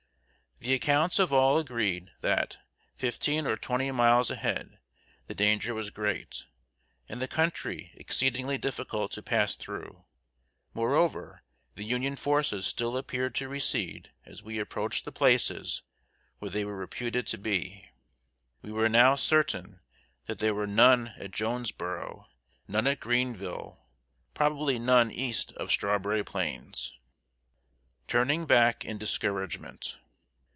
The accounts of all agreed that, fifteen or twenty miles ahead, the danger was great, and the country exceedingly difficult to pass through. Moreover, the Union forces still appeared to recede as we approached the places where they were reputed to be. We were now certain that there were none at Jonesboro, none at Greenville, probably none east of Strawberry Plains. [Sidenote: TURNING BACK IN DISCOURAGEMENT.